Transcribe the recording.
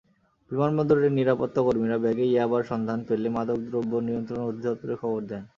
বিমানবন্দরের নিরাপত্তাকর্মীরা ব্যাগে ইয়াবার সন্ধান পেলে মাদকদ্রব্য নিয়ন্ত্রণ অধিদপ্তরে খবর দেন।